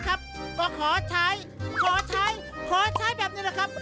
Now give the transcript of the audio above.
ก็ขอใช้ขอใช้ขอใช้แบบนี้แหละครับ